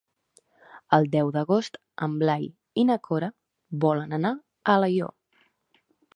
El deu d'agost en Blai i na Cora volen anar a Alaior.